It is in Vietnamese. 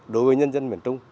đối với nhân dân miền trung